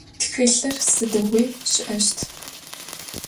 Txılhır sıdiğui şı'eşt.